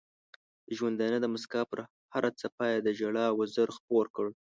د ژوندانه د مسکا پر هره څپه یې د ژړا وزر خپور کړ.